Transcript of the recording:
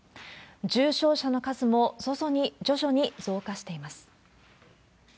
重症者の数も徐々に増加しています。